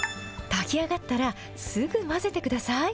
炊き上がったら、すぐ混ぜてください。